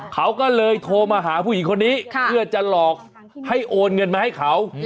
เขาก็เลยโทรมาหาผู้หญิงคนนี้เพื่อจะหลอกให้โอนเงินมาให้เขา